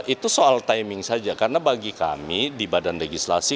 itu soal timing saja karena bagi kami di badan legislasi